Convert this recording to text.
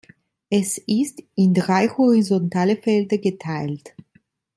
Es ist in drei horizontale Felder geteilt.